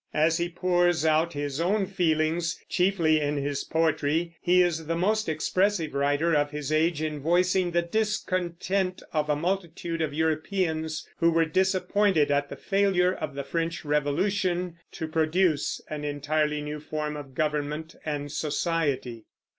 As he pours out his own feelings, chiefly, in his poetry, he is the most expressive writer of his age in voicing the discontent of a multitude of Europeans who were disappointed at the failure of the French Revolution to produce an entirely new form of government and society.